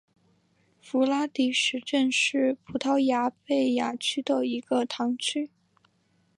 弗拉迪什镇是葡萄牙贝雅区的一个堂区。